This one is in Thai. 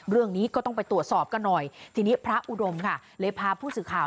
เรื่องนี้ก็ต้องไปตรวจสอบกันหน่อยทีนี้พระอุดมค่ะเลยพาผู้สื่อข่าว